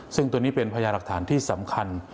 ซึ่งตัวนี้เป็นพยาหลักฐานที่สำคัญ